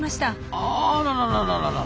あららららららら。